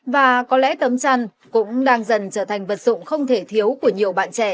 và có lẽ tấm chăn cũng đang dần trở thành vật dụng không thể thiếu của nhiều bạn trẻ